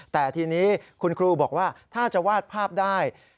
แต่ทีนี้คุณครูบอกว่าถ้าจะวาดภาพได้